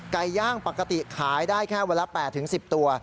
ไก่ย่างปกติขายได้แค่วันละ๘๑๐ตัว